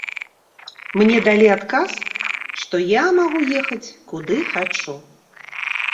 Мне далі адказ, што я магу ехаць куды хачу.